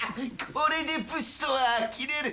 これで武士とはあきれる！